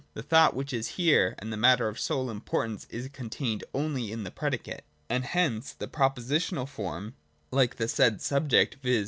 The thought, which is here the matter of sole import ance, is contained only in the predicate : and hence the propositional form, like the said subject, viz.